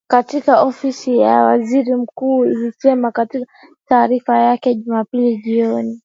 katika Ofisi ya Waziri Mkuu ilisema katika taarifa yake Jumapili jioni